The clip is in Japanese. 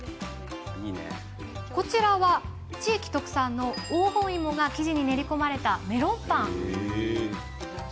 こちらは、地域特産の黄金芋が生地に練り込まれたメロンパン。